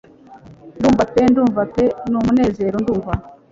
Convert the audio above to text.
Ndumva pe ndumva pe numunezero ndumva!